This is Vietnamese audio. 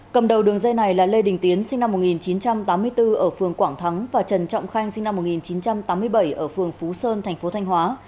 cầm đầu đường dây này là lê đình tiến sinh năm một nghìn chín trăm tám mươi bốn ở phường quảng thắng và trần trọng khanh sinh năm một nghìn chín trăm tám mươi bảy ở phường phú sơn thành phố thanh hóa